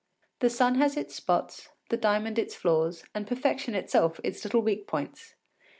The sun has its spots, the diamond its flaws, and perfection itself its little weak points.